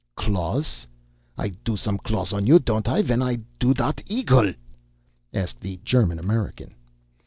"Claws? I do some claws on you, don't I, ven I do dot eagle?" asked the German American.